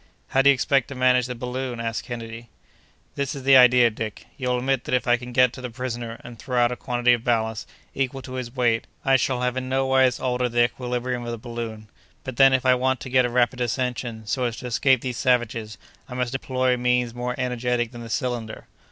"How do you expect to manage the balloon?" asked Kennedy. "This is the idea, Dick: you will admit that if I can get to the prisoner, and throw out a quantity of ballast, equal to his weight, I shall have in nowise altered the equilibrium of the balloon. But, then, if I want to get a rapid ascension, so as to escape these savages, I must employ means more energetic than the cylinder.